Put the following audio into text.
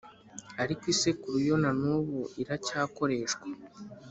ariko isekuru yo na n’ubu iracyakoreshwa